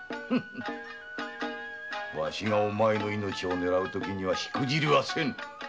ワシがお前の命をねらう時にはしくじりはせぬ。